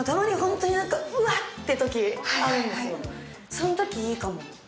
そんときいいかも。